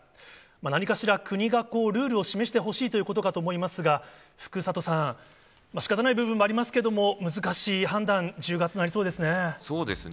何かしら国がルールを示してほしいということかと思いますが、福里さん、しかたない部分もありますけど、難しい判断、１０月、なりそうでそうですね。